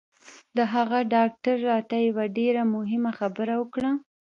د هغه ډاکتر راته یوه ډېره مهمه خبره وکړه